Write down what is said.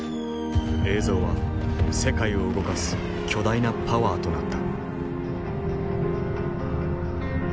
映像は世界を動かす巨大なパワーとなった。